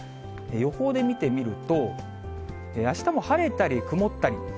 予報で見てみると、あしたも晴れたり曇ったり。